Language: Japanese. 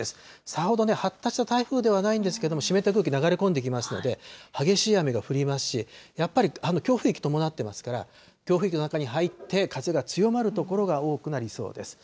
さほどね、発達した台風ではないんですけれども、湿った空気流れ込んできますので、激しい雨が降りますし、やっぱり強風域伴っていますから、強風域の中に入って、風が強まる所が多くなりそうです。